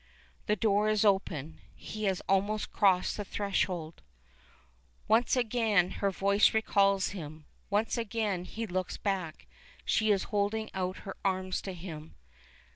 The door is open. He has almost crossed the threshold. Once again her voice recalls him, once again he looks back, she is holding out her arms to him.